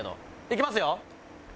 いきますよ。